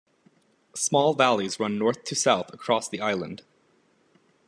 Small valleys run north to south across the island.